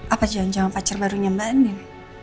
apa janjang pacar baru nya mba nin